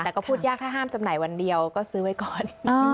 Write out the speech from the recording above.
แต่ก็พูดยากถ้าห้ามจำหน่ายวันเดียวก็ซื้อไว้ก่อน